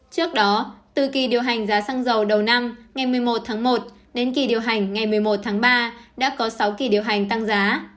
trước đó từ kỳ điều hành giá xăng dầu đầu năm ngày một mươi một tháng một đến kỳ điều hành ngày một mươi một tháng ba đã có sáu kỳ điều hành tăng giá